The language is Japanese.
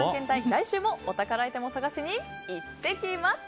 来週もお宝アイテムを探しに行ってきます！